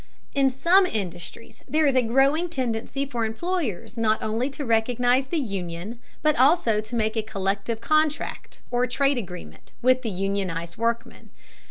In some industries there is a growing tendency for employers not only to recognize the union, but also to make a collective contract, or trade agreement, with the unionized workmen.